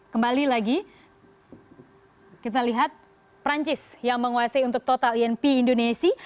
kembali lagi kita lihat perancis yang menguasai untuk total inp indonesia